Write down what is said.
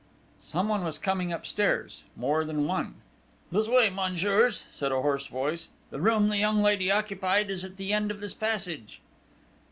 "Someone was coming upstairs more than one!" "This way, messieurs!" said a hoarse voice. "The room the young lady occupied is at the end of this passage!"